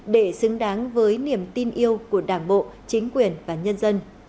để xứng đáng với niềm tin yêu của đảng bộ chính quyền và nhân dân